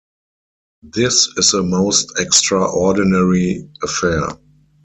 This is a most extraordinary affair.